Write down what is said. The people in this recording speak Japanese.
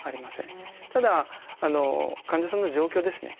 ただ患者さんの状況ですね。